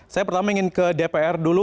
saya pertama ingin ke dpr dulu